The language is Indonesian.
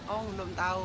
oh belum tahu